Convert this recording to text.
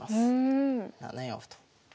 ７四歩と。